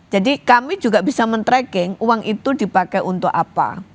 jadi kami juga bisa men tracking uang itu dipakai untuk apa